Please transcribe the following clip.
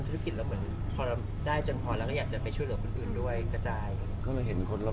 ที่ในช่วงโควิดซ์ที่ผ่านมาใช่มั้ยครับ